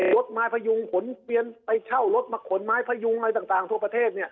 รถไม้พยุงขนเปลี่ยนไปเช่ารถมาขนไม้พยุงอะไรต่างทั่วประเทศเนี่ย